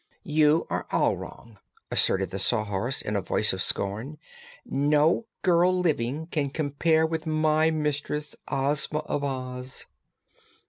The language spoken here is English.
"You are all wrong!" asserted the Sawhorse in a voice of scorn. "No girl living can compare with my mistress, Ozma of Oz!"